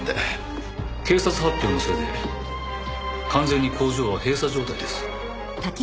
警察発表のせいで完全に工場は閉鎖状態です。